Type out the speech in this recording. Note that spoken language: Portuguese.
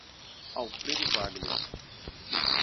Alfredo Wagner